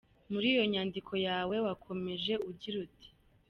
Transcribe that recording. Muri iyo nyadiko yawe wakomeje ugira uti